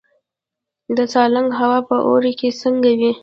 د سالنګ هوا په اوړي کې څنګه وي؟